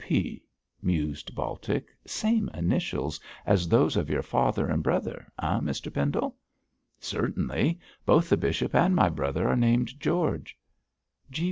G. P.' mused Baltic 'same initials as those of your father and brother, eh, Mr Pendle?' 'Certainly. Both the bishop and my brother are named George.'